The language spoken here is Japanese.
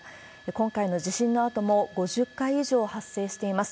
今回の地震のあとも、５０回以上発生しています。